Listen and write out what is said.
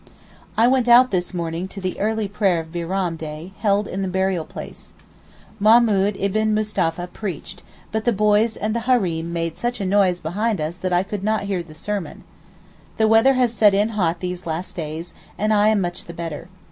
I went out this morning to the early prayer of Bairam day, held in the burial place. Mahmoud ibn Mustapha preached, but the boys and the Hareem made such a noise behind us that I could not hear the sermon. The weather has set in hot these last days, and I am much the better.